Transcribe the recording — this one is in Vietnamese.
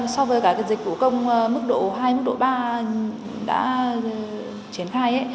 so với cả dịch vụ công mức độ hai mức độ ba đã triển khai